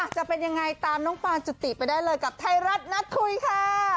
จะเป็นยังไงตามน้องปานจุติไปได้เลยกับไทยรัฐนัดคุยค่ะ